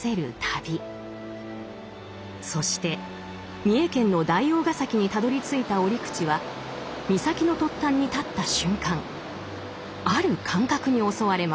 そして三重県の大王个崎にたどりついた折口は岬の突端に立った瞬間ある感覚に襲われます。